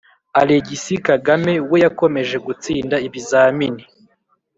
alegisi kagame we yakomeje gutsinda ibizamini